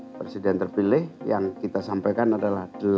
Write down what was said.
presiden terpilih yang kita sampaikan adalah